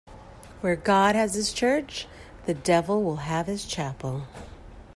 Where God has his church, the devil will have his chapel.